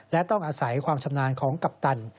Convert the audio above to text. และต้องอาศัยความชำนาญของกัปตัน